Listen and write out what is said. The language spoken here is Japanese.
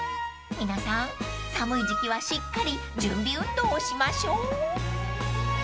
［皆さん寒い時季はしっかり準備運動をしましょう］